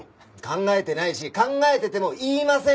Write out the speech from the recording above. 考えてないし考えてても言いません！